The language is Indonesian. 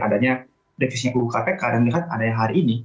adanya devisinya kubu kpk dan melihat adanya hari ini